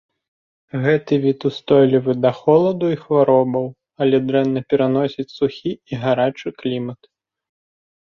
Гэты від устойлівы да холаду і хваробаў, але дрэнна пераносіць сухі і гарачы клімат.